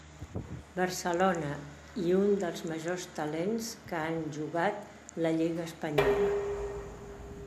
Barcelona, i un dels majors talents que han jugat la lliga espanyola.